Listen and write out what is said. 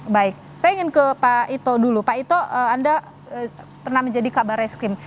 baik saya ingin ke pak ito dulu pak ito anda pernah menjadi kabar reskrim